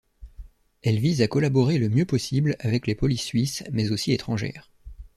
Elle vise à collaborer le mieux possible avec les polices suisses mais aussi étrangères.